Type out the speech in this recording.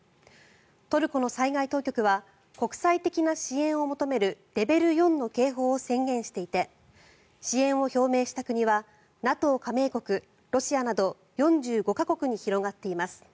トルコの災害当局は国際的な支援を求めるレベル４の警報を宣言していて支援を表明した国はＮＡＴＯ加盟国、ロシアなど４５か国に広がっています。